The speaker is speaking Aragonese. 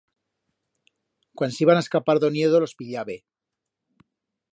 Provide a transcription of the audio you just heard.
Cuan s'iban a escapar d'o niedo los pillabe.